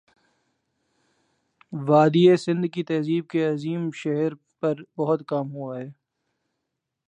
وادیٔ سندھ کی تہذیب کے عظیم شہر پر بہت کام ہوا ہے